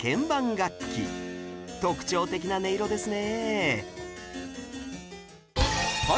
特徴的な音色ですね